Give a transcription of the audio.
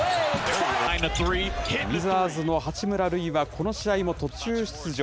ウィザーズの八村塁は、この試合も途中出場。